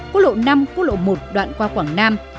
quốc lộ năm quốc lộ một đoạn qua quảng nam